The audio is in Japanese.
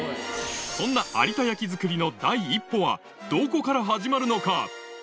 そんな有田焼作りの第一歩は、どこから始まるのか。